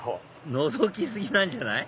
のぞき過ぎなんじゃない？